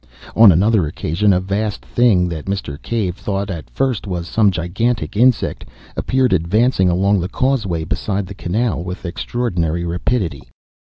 On another occasion a vast thing, that Mr. Cave thought at first was some gigantic insect, appeared advancing along the causeway beside the canal with extraordinary rapidity.